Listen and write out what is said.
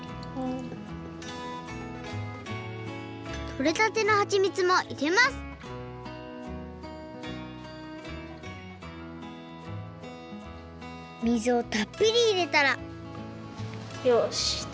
とれたてのはちみつもいれますみずをたっぷりいれたらよしできました。